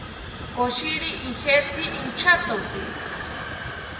Koshiri ijeki inchatoki